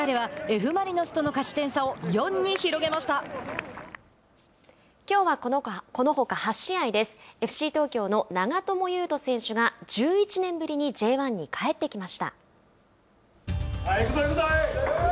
ＦＣ東京の長友佑都選手が１１年ぶりにＪ１に帰ってきました。